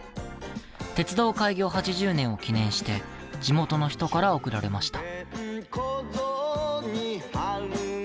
鉄道開業８０年を記念して地元の人から贈られました。